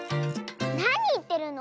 なにいってるの！